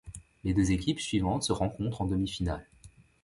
Les deux équipes suivantes se rencontrent en demi-finale.